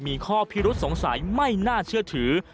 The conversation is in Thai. มีข้อพิรุษสงสัยไม่น่าเชื่อถือ